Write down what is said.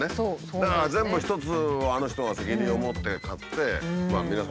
だから全部一つをあの人が責任を持って買って皆さんに貸すっていう。